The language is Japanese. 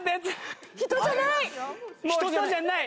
人じゃない。